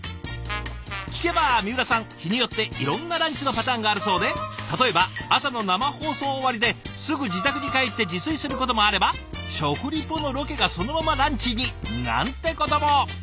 聞けば水卜さん日によっていろんなランチのパターンがあるそうで例えば朝の生放送終わりですぐ自宅に帰って自炊することもあれば食リポのロケがそのままランチになんてことも。